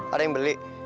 ada yang beli